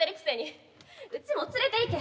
うちも連れていけ！